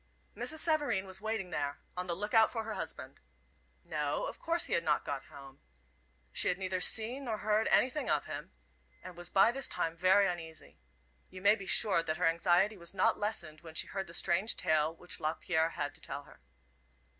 Mrs. Savareen was waiting there, on the look out for her husband. No, of course he had not got home. She had neither seen nor heard anything of him, and was by this time very uneasy. You may be sure that her anxiety was not lessened when she heard the strange tale which Lapierre had to tell her.